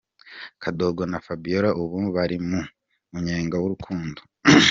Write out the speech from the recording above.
Kadogo na Fabiola ubu bari mu munyenga w'urukundo.